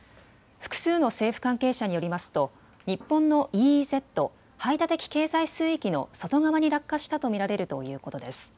複数の政府関係者によりますと日本のＥＥＺ・排他的経済水域の外側に落下したと見られるということです。